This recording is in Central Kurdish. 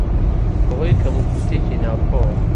بەهۆی کەموکورتییەکی ناوخۆوە